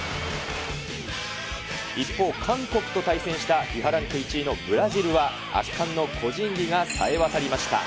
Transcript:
一方、韓国と対戦したＦＩＦＡランク１位のブラジルは、圧巻の個人技がさえ渡りました。